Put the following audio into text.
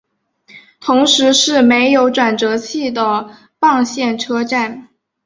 同时是没有转辙器的棒线车站。